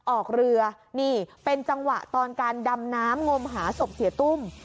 ออกเรือนี่เป็นจังหวะตอนการดำน้ำงมหาศพเสียตุ้ม